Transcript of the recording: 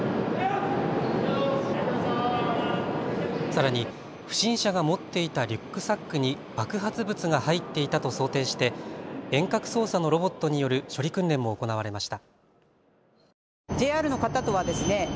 さらに不審者が持っていたリュックサックに爆発物が入っていたと想定して遠隔操作のロボットによる処理訓練も行われました。